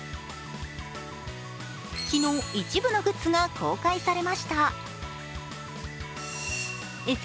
昨日、一部のグッズが公開されました。